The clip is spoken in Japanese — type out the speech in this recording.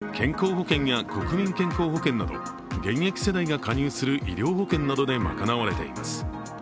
これまで出産育児一時金の財源は健康保険や国民健康保険など現役世代が加入する医療保険などで賄われています。